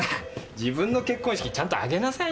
自分の結婚式ちゃんと挙げなさいよ。